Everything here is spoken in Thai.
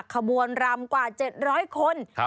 ขบวนรำกว่า๗๐๐คน